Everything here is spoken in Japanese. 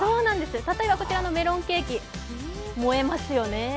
例えばこちらのメロンケーキ萌えますよね？